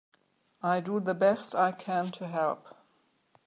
I do the best I can to help.